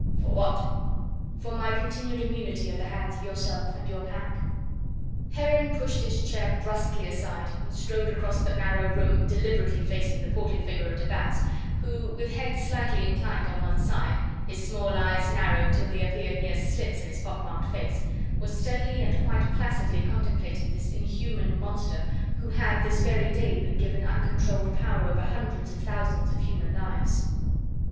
"For what? "For my continued immunity at the hands of yourself and your pack?" Heron pushed his chair brusquely aside and strode across the narrow room deliberately facing the portly figure of de Batz, who with head slightly inclined on one side, his small eyes narrowed till they appeared mere slits in his pockmarked face, was steadily and quite placidly contemplating this inhuman monster who had this very day been given uncontrolled power over hundreds of thousands of human lives.